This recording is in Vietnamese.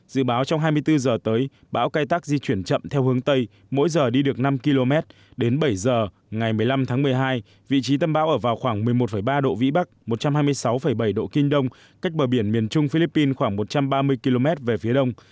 dự báo trong hai mươi bốn giờ tới bão cay tắc di chuyển chậm theo hướng tây mỗi giờ đi được năm km đến bảy giờ ngày một mươi năm tháng một mươi hai vị trí tâm bão ở vào khoảng một mươi một ba độ vĩ bắc một trăm hai mươi sáu bảy độ kinh đông cách bờ biển miền trung philippines khoảng một trăm ba mươi km về phía đông